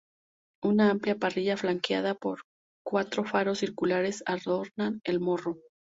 Una amplia parrilla flanqueada por cuatro faros circulares adorna el morro.